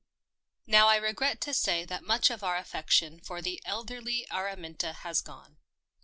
Now I regret to say that much of our affec tion for the elderly Araminta has gone.